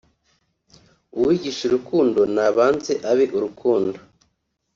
uwigisha urukundo nabanze abe urukundo